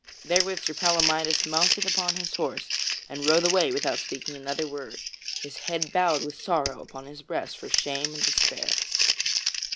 Therewith Sir Palamydes mounted upon his horse and rode away without speaking another word, his head bowed with sorrow upon his breast for shame and despair.